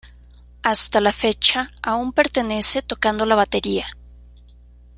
Hasta la fecha aún pertenece tocando la batería.